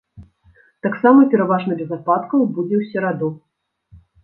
Таксама пераважна без ападкаў будзе ў сераду.